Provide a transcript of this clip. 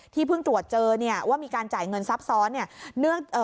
ที่เพิ่งตรวจเจอว่ามีการจ่ายเงินซ้ำซ้อน